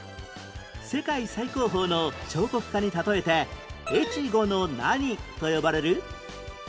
世界最高峰の彫刻家に例えて「越後の何」と呼ばれる？